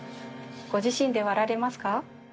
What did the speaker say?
ご自身で割られますか？